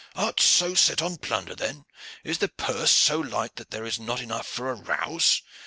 "Art so set on plunder then? Is the purse so light that there is not enough for a rouse?